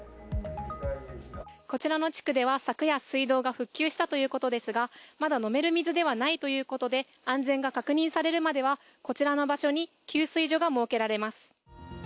こちらの地区では昨夜、水道が復旧したということですが、まだ飲める水ではないということで安全が確認されるまではこちらの場所に給水所が設けられます。